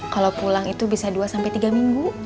kalau pulang itu bisa dua tiga minggu